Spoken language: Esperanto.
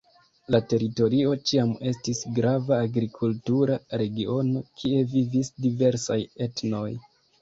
La teritorio ĉiam estis grava agrikultura regiono, kie vivis diversaj etnoj.